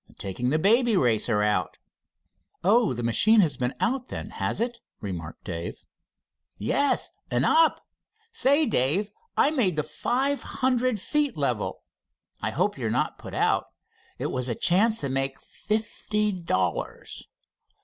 "Taking the Baby Racer out." "Oh, the machine has been out, then, has it?" remarked Dave. "Yes, and up. Say, Dave, I made the five hundred feet level. I hope you're not put out. It was a chance to make fifty dollars."